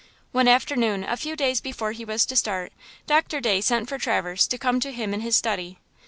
One afternoon, a few days before he was to start, Doctor Day sent for Traverse to come to him in his study.